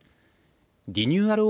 リニューアル